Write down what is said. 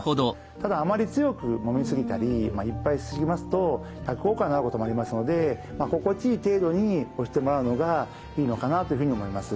ただあまり強くもみ過ぎたりいっぱいし過ぎますと逆効果になることもありますので心地いい程度に押してもらうのがいいのかなというふうに思います。